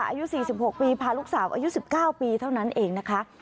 อายุ๔๖ปีพาลูกสาวอายุ๑๙ปีเท่านั้นเองนะคะ